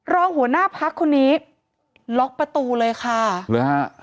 รองหัวหน้าพักคนนี้ล็อกประตูเลยค่ะหรือฮะ